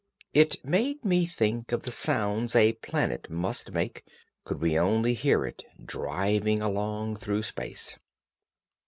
It made me think of the sounds a planet must make, could we only hear it, driving along through space.